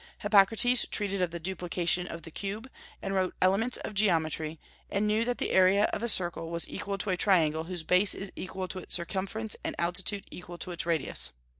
Hippocrates treated of the duplication of the cube, and wrote elements of geometry, and knew that the area of a circle was equal to a triangle whose base is equal to its circumference and altitude equal to its radius.